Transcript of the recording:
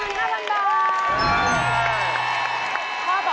สะพกันแล้วกันค่ะ๑๕๐๐๐บาท